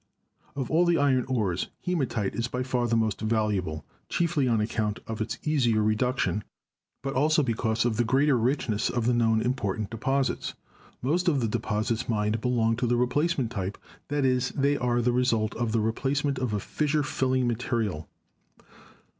Of all the iron ores, hematite is by far the most valuable, chiefly on account of its easier reduction, but also because of the greater richness of the known important deposits. Most of the deposits mined belong to the replacement type ; that is, they are the result of the replacement of a fissure filling material.